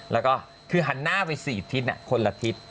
แล้วก็คือหันหน้าไป๔ทิศคนละทิศ